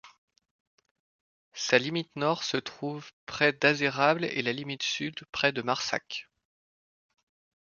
Sa limite nord se trouve près d'Azerables et la limite sud près de Marsac.